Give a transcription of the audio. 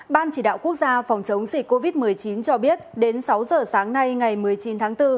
ban chỉ đạo quốc gia phòng chống dịch covid một mươi chín cho biết đến sáu giờ sáng nay ngày một mươi chín tháng bốn